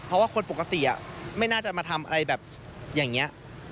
เพราะว่าคนปกติไม่น่าจะมาทำอะไรแบบอย่างนี้